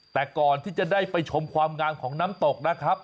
แต่ก่อนที่จะได้ไปชมความงามของน้ำตกนะครับ